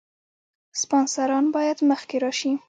سپانسران باید مخکې راشي.